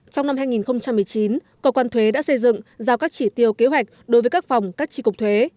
trong năm hai nghìn một mươi chín cơ quan thuế đã xây dựng giao các chỉ tiêu kế hoạch đối với các phòng các tri cục thuế